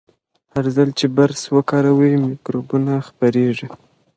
هر ځل چې برس وکاروئ، میکروبونه خپریږي.